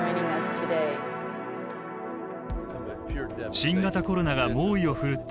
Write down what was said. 新型コロナが猛威を振るった